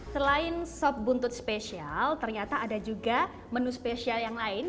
selain sop buntut spesial ternyata ada juga menu spesial yang lain